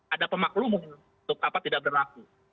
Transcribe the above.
ada pemakluman untuk apa tidak berlaku